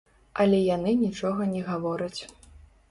Але яны нічога не гавораць.